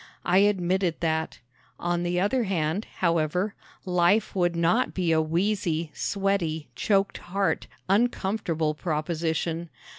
I admitted that. On the other hand, however, life would not be a wheezy, sweaty, choked heart, uncomfortable proposition.